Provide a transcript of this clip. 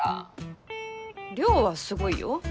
稜はすごいよ。